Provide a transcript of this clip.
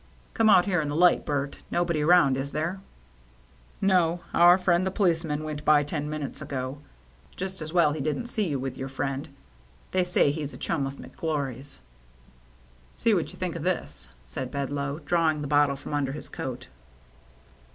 " Come out here in the light, Bert. Nobody around, is there ?"" No. Our friend the policeman went by ten minutes ago. Just as well he didn't see you with your friend. They say he's a chum of McGlory's." " See what you think of this," said Bcdloe, drawing the bottle from under his coat.